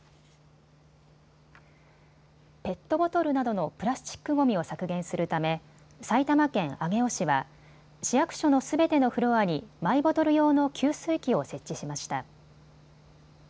ペットボトルなどのプラスチックごみを削減するため埼玉県上尾市は市役所のすべてのフロアにマイボトル用の給水機を設置しました。